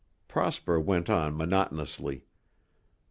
Prosper went on monotonously.